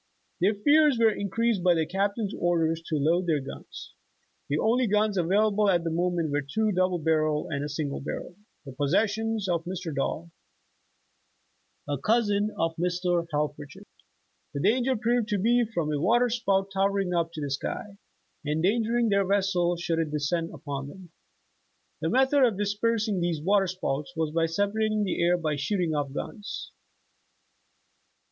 Their fears were increased by the Captain's orders to load their guns. The only guns available at the mo ment were two, a double barrel and a single barrel, tho possessions of Dr. Doll, a cousin of Mr. Helffrieh's. The danger proved to be from "a water spout tower ing up to the sky," endangering their A^essel should it descend upon them. The method of dispersing these water spouts was by separating the air by shooting off guns.